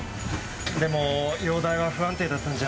でも容体は不安定だったんじゃ。